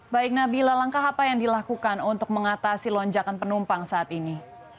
baik nabila langkah apa yang dilakukan untuk mengatasi lonjakan penumpang saat ini